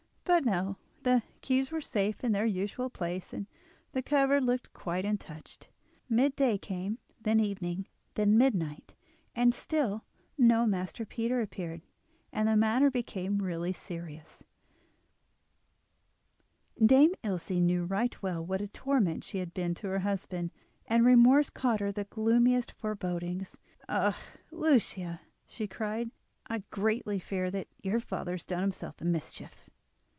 But no, the keys were safe in their usual place, and the cupboard looked quite untouched. Mid day came, then evening, then midnight, and still no Master Peter appeared, and the matter became really serious. Dame Ilse knew right well what a torment she had been to her husband, and remorse caused her the gloomiest forebodings. "Ah! Lucia," she cried, "I greatly fear that your father has done himself a mischief."